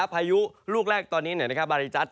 พายุลูกแรกตอนนี้เนี่ยนะครับบาริจัตร